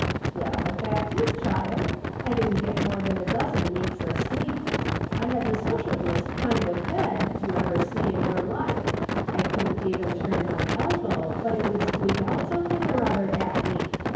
" Well, the fact is, child, I didn't get more than a dozen winks of sleep. I had the sociablest kind of bed you ever see in your life ; I couldn't even turn my elbow, but it would squeak out something or other at me.